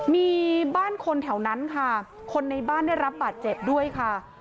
มีบ้านคนแถวนั้นค่ะคนในบ้านได้รับบาดเจ็บด้วยค่ะ